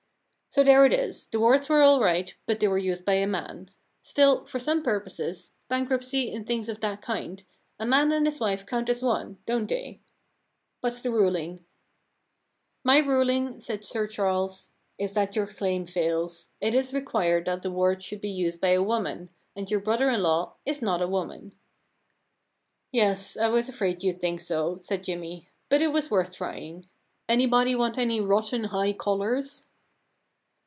* So there it is — the words were all right, but they were used by a man. Still, for some purposes — bankruptcy and things of that kind — a man and his wife count as one, don't they ? What's the ruling ?My ruling,' said Sir Charles, * is that your claim fails. It is required that the words should be used by a woman, and your brother in law is not a woman.' * Yes, I was afraid you'd think so,* said Jimmy, * but it was worth trying. Anybody want any rotten high collars